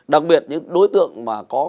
đặc biệt những đối tượng mà có